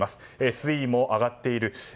水位も上がっている。